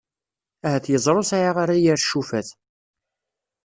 Ahat yeẓra ur sɛiɣ ara yir cufat!